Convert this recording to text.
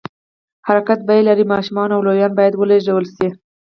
حرکت بیه لري، ماشومان او لویان باید ولېږدول شي.